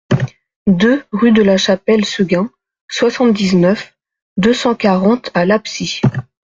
deux rue de la Chapelle Seguin, soixante-dix-neuf, deux cent quarante à L'Absie